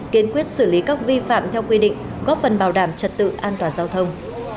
kiên quyết xử lý các vi phạm theo quy định góp phần bảo đảm trật tự an toàn giao thông